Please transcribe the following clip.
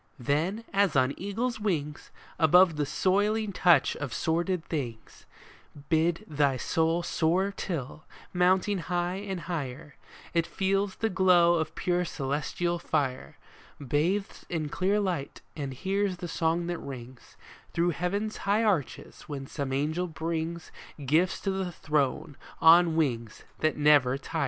Then, as on eagles' wings, Above the soiling touch of sordid things, Bid thy soul soar till, mounting high and higher, It feels the glow of pure celestial fire, Bathes in clear light, and hears the song that rings Through heaven's high arches when some angel brings Gifts to the Throne, on wings that never tire